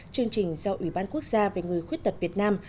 chương trình do ủy ban quốc gia về người khuyết tật việt nam